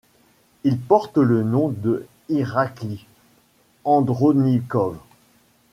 Il porte le nom de Irakli Andronikov.